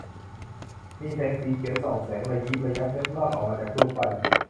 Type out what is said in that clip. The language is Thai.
มีแสงสีเขียวส่องแสงระยิบระยับเล็ดลอดออกมาจากรูปปั้น